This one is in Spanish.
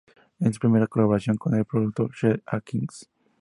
Es su primera colaboración con el productor Chet Atkins.